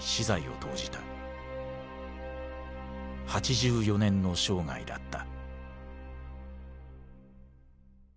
８４年の生涯だった。